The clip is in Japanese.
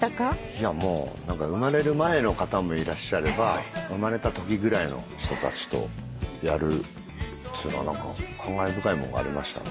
いやもう何か生まれる前の方もいらっしゃれば生まれたときぐらいの人たちとやるっちゅうのは感慨深いものがありましたね。